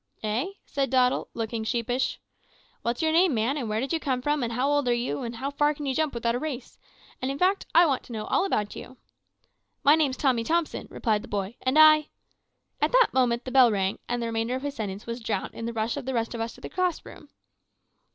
"`Eh?' said Doddle, looking sheepish. "`What's your name, man, and where did you come from, and how old are you, and how far can you jump without a race? and in fact I want to know all about you.' "`My name's Tommy Thompson,' replied the boy, `and I ' "At that moment the bell rang, and the remainder of his sentence was drowned in the rush of the rest of us to the classroom.